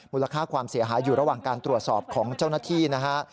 มูลค่าความเสียหายอยู่ระหว่างการตรวจสอบของเจ้าหน้าที่นะฮะ